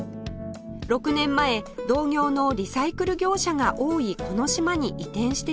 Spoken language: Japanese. ６年前同業のリサイクル業者が多いこの島に移転してきました